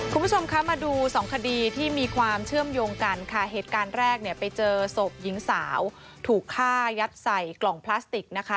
คุณผู้ชมคะมาดูสองคดีที่มีความเชื่อมโยงกันค่ะเหตุการณ์แรกเนี่ยไปเจอศพหญิงสาวถูกฆ่ายัดใส่กล่องพลาสติกนะคะ